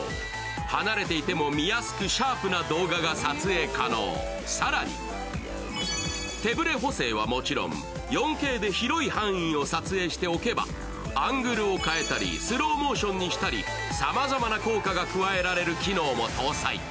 離れていても見やすくシャープな動画が撮影可能、更に手ぶれ補正はもちろん、４Ｋで広い範囲を設定しておけばアングルを変えたり、スローモーションにしたり、さまざまな効果を加えられる機能を搭載。